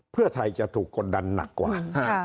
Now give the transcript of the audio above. เพื่อไทยจะถูกกดดันหนักกว่า